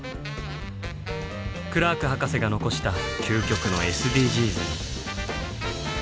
クラーク博士が残した究極の「ＳＤＧｓ」に。